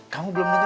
kamu belum nunggu